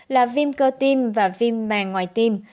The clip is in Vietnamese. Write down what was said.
là viêm cơ tiêm và viêm màng ngoài tiêm